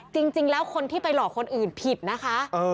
จริงแล้วคนที่ไปหลอกคนอื่นผิดนะคะ